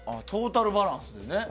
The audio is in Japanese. トータルバランスでね。